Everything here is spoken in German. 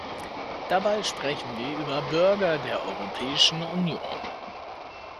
Dabei sprechen wir über Bürger der Europäischen Union.